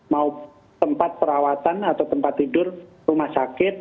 mau tempat perawatan atau tempat tidur rumah sakit